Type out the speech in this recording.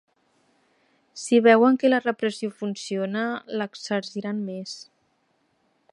Si veuen que la repressió funciona, l’exerciran més.